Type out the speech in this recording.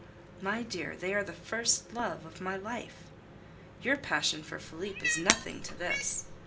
My dear, they are the first love of my life! Your passion for Felipe is nothing to this!